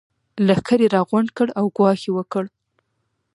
لښکر يې راغونډ کړ او ګواښ يې وکړ.